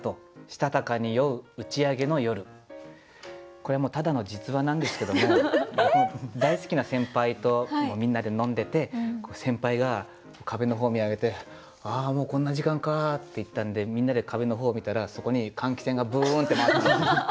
これはもうただの実話なんですけども僕の大好きな先輩とみんなで飲んでて先輩が壁の方見上げて「ああもうこんな時間か」って言ったんでみんなで壁の方を見たらそこに換気扇がブーンって回ってて。